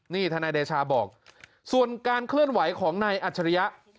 นี่ทนายเดชาบอกส่วนการเคลื่อนไหวของนายอัจฉริยะ